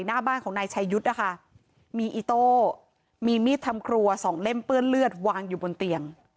หน้าบ้านของนายชายุทธ์นะคะมีอิโต้มีมีดทำครัวสองเล่มเปื้อนเลือดวางอยู่บนเตียง